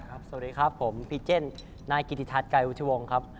สวัสดีครับผมพีเจนนายกิติทัศน์ไกรวุชวงศ์ครับ